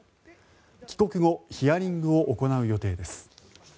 帰国後ヒアリングを行う予定です。